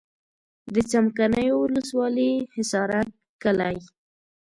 د څمکنیو ولسوالي حصارک کلی.